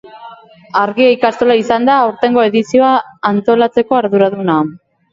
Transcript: Argia ikastola izan da aurtengo edizioa antolatzeko arduraduna.